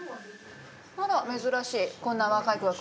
あら珍しいこんな若い子が来るなんて。